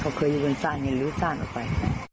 เค้าเคยอยู่บนสารอย่าลืมสารออกไป